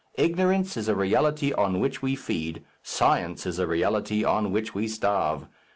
Ignorance is a reality on which we feed; science is a reality on which we starve.